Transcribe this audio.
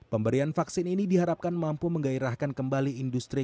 pemberian vaksin ini diharapkan mampu menggairahkan kembali industri